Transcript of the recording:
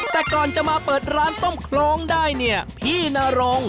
แต่ก่อนจะมาเปิดร้านต้มโครงได้เนี่ยพี่นรง